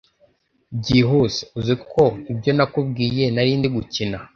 byihuse uziko ibyo nakubwiye narindigukina”